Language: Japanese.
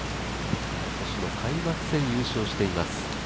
開幕戦、優勝しています